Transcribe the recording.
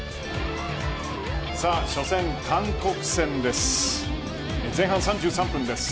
初戦、韓国戦です。